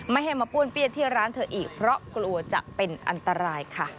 ไม่ให้มาป้วนเปี้ยนที่ร้านเธออีกเพราะกลัวจะเป็นอันตรายค่ะ